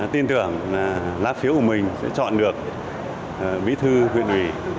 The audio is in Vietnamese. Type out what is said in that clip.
tin tưởng là lá phiếu của mình sẽ chọn được bí thư huyện ủy